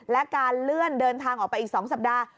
และการเลื่อนเดินทางออกไปอีก๒สัปดาห์